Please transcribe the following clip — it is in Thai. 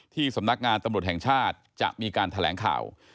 สำนักงานตำรวจแห่งชาติจะมีการแถลงข่าว